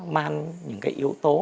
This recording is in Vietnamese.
man những cái yếu tố